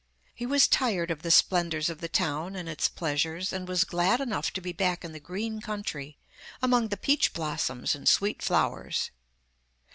He was tired of the splendours of the town and its pleasures, and was glad enough to be back in the green country, among the peach blossoms and sweet flowers.